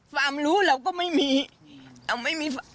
ฟาร์มรู้เราก็ไม่มีอ่าไม่มีและ